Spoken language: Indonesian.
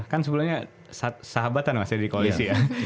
kan sebelumnya sahabatan masih di koalisi ya